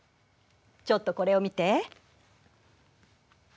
ちょっとこれを見て。